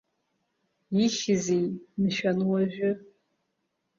Ихьзеи, мшәан, уажәы?